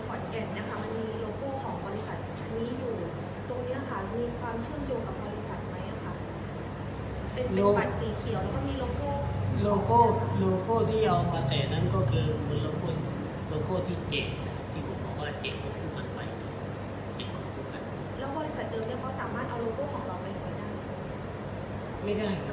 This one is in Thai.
ไม่เข้าใจว่าเขาจะใช้หรือว่ายังไงครับที่เอาโลโก้เราไปเปลี่ยนได้ไหม